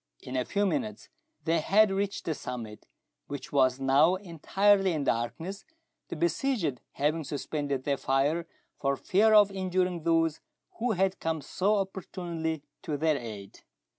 In a few minutes they had reached the summit, which was now entirely in darkness, the besieged having suspended their fire for fear of injuring those who had come so opportunely to their aid.